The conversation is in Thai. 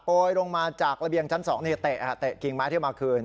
ลงมาจากระเบียงชั้น๒เตะกิ่งไม้เที่ยวมาคืน